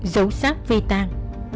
dấu sát vi tan